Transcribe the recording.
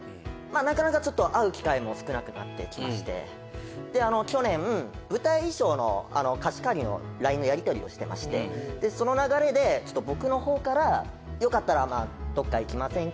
なかなか会う機会も少なくなってきましてで去年舞台衣装の貸し借りのＬＩＮＥのやり取りをしてましてその流れでちょっと僕の方から「よかったらどっか行きませんか？」